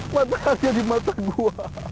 matanya di mata gue